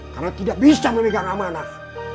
karena tidak bisa memegang amanah